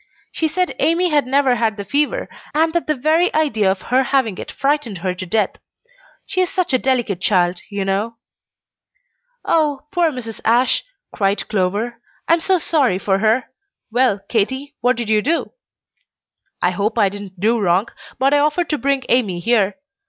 She said Amy had never had the fever, and that the very idea of her having it frightened her to death. She is such a delicate child, you know." "Oh, poor Mrs. Ashe!" cried Clover; "I am so sorry for her! Well, Katy, what did you do?" "I hope I didn't do wrong, but I offered to bring Amy here.